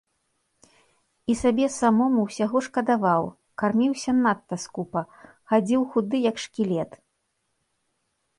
І сабе самому ўсяго шкадаваў, карміўся надта скупа, хадзіў худы, як шкілет.